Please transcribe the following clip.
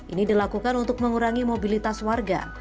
ini dilakukan untuk mengurangi mobilitas warga